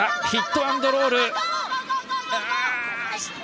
ヒット・アンド・ロール。